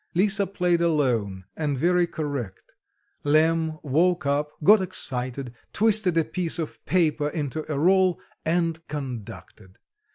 Lisa played alone and very correct; Lemm woke up, got excited, twisted a piece of paper into a roll, and conducted.